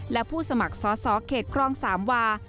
และผู้สมัครสอสอเขตครองสามวา